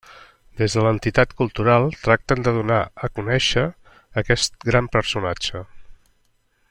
Des de l'entitat cultural tracten de donar a conèixer aquest gran personatge.